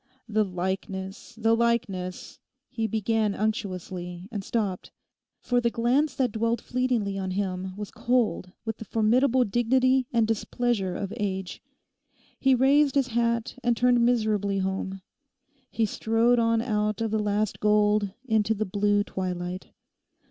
'The likeness, the likeness!' he began unctuously, and stopped, for the glance that dwelt fleetingly on him was cold with the formidable dignity and displeasure of age. He raised his hat and turned miserably home. He strode on out of the last gold into the blue twilight.